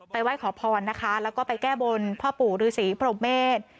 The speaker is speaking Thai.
ไหว้ขอพรนะคะแล้วก็ไปแก้บนพ่อปู่ฤษีพรหมเมษ